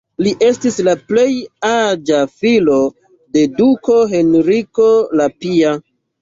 Li estis la plej aĝa filo de duko Henriko la Pia.